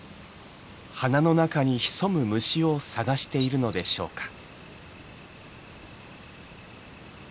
花の中に潜む虫を探しているのでしょうか。